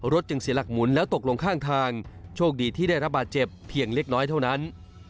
จึงเสียหลักหมุนแล้วตกลงข้างทางโชคดีที่ได้รับบาดเจ็บเพียงเล็กน้อยเท่านั้น